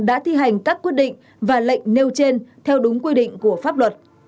đã thi hành các quyết định và lệnh nêu trên theo đúng quy định của pháp luật